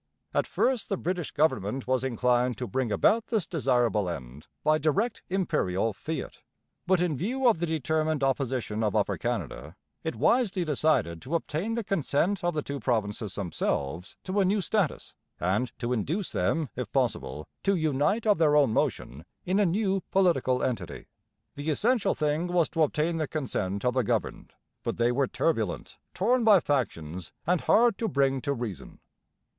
At first the British government was inclined to bring about this desirable end by direct Imperial fiat, but in view of the determined opposition of Upper Canada, it wisely decided to obtain the consent of the two provinces themselves to a new status, and to induce them, if possible, to unite of their own motion in a new political entity. The essential thing was to obtain the consent of the governed; but they were turbulent, torn by factions, and hard to bring to reason.